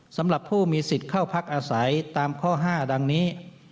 สำหรับผู้มีสิทธิ์เข้าพักอาศัยตามข้อ๕ดังนี้